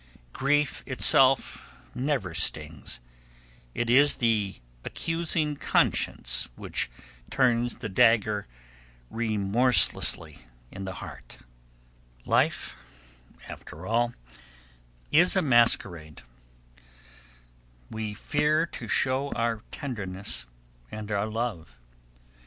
Grief itself never stings; it is the accusing conscience which turns the dagger remorselessly in the heart. [Sidenote: Our unsuspected Kindness] Life, after all, is a masquerade. We fear to show our tenderness and our love.